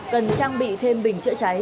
cần trang bị thêm bình chữa cháy